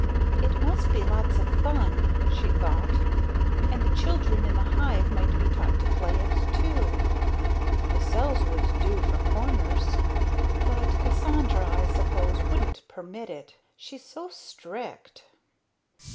"It must be lots of fun," she thought, "and the children in the hive might be taught to play it, too. The cells would do for corners. But Cassandra, I suppose, wouldn't permit it. She's so strict."